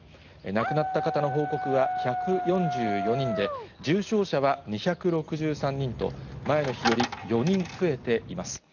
亡くなった方の報告は１４４人で、重症者は２６３人と、前の日より４人増えています。